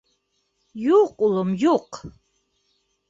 - Юҡ, улым, юҡ.